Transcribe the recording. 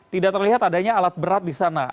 tidak terlihat adanya alat berat di sana